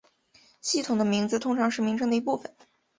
系统的名字通常是名称的一部分。